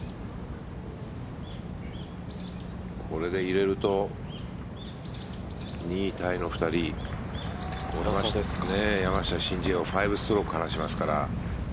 これで入れると２位タイの２人山下、申ジエを５ストローク離しますから。